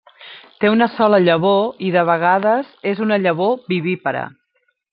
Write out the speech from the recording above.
Té una sola llavor i de vegades és una llavor vivípara.